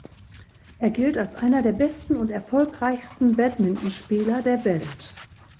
Er gilt als einer der besten und erfolgreichsten Badmintonspieler der Welt.